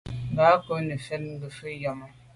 Ngab kô nefèt ngefet yàme.